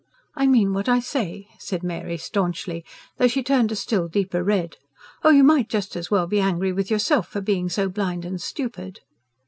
"I mean what I say," said Mary staunchly, though she turned a still deeper red. "Oh, you might just as well be angry with yourself for being so blind and stupid."